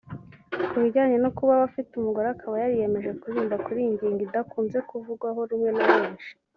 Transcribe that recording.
Ku bijyanye no kuba we afite umugore akaba yariyemeje kuririmba kuri iyi ngingo idakunze kuvugwaho rumwe na benshi